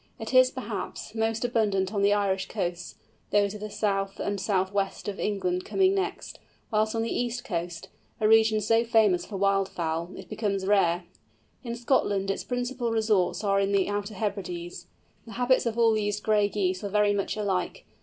It is, perhaps, most abundant on the Irish coasts, those of the south and south west of England coming next, whilst on the east coast—a region so famous for Wild Fowl—it becomes rare. In Scotland its principal resorts are in the Outer Hebrides. The habits of all these "Gray" Geese are very much alike.